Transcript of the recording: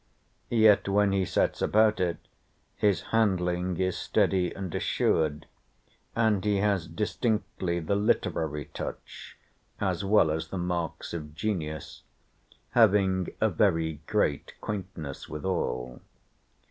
Yet when he sets about it, his handling is steady and assured, and he has distinctly the literary touch, as well as the marks of genius; having a very great quaintness withal.